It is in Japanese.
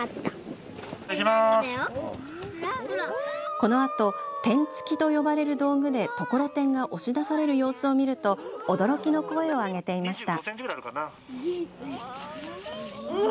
このあと天付きと呼ばれる道具でところてんが押し出される様子を見ると驚きの声を上げていました。